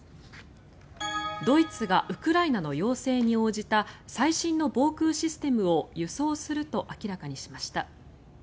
ドイツがウクライナの要請に応じた最新の防空システムを輸送すると明らかにしました。